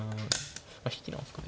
引きなんですかね。